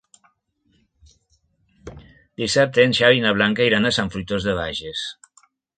Dissabte en Xavi i na Blanca iran a Sant Fruitós de Bages.